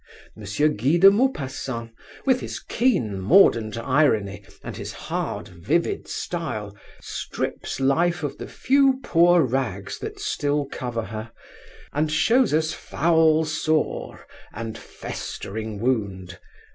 M. Guy de Maupassant, with his keen mordant irony and his hard vivid style, strips life of the few poor rags that still cover her, and shows us foul sore and festering wound.